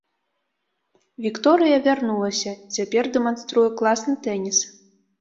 Вікторыя вярнулася, і цяпер дэманструе класны тэніс.